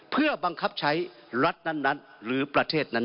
เพื่อบังคับใช้รัฐนั้นหรือประเทศนั้น